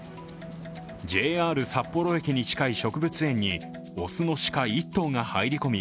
ＪＲ札幌駅に近い植物園に雄の鹿１頭が入り込み